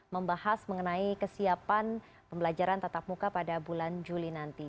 membahas mengenai kesiapan pembelajaran tatap muka pada bulan juli nanti